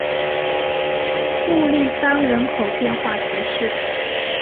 穆利桑人口变化图示